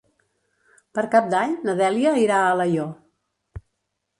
Per Cap d'Any na Dèlia irà a Alaior.